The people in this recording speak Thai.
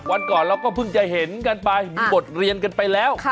วันก่อนเราก็เพิ่งจะเห็นกันไปมีบทเรียนกันไปแล้ว